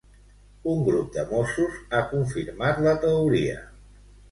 Un grup de Mossos ha confirmat la teoria.